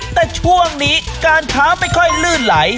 แต่ช่วงนี้การค้าไม่ค่อยลื่นไหล